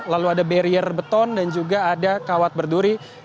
lalu ada barrier beton dan juga ada kawat berduri